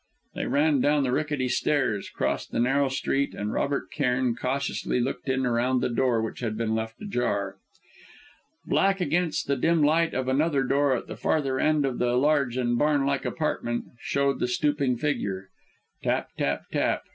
They ran down the rickety stairs, crossed the narrow street, and Robert Cairn cautiously looked in around the door which had been left ajar. Black against the dim light of another door at the further end of the large and barn like apartment, showed the stooping figure. Tap, tap, tap!